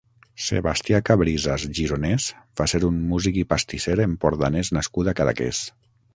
Sebastià Cabrisas Gironès va ser un músic i pastisser empordanès nascut a Cadaqués.